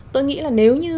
tôi nghĩ là nếu như